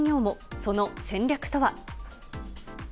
その戦略とは。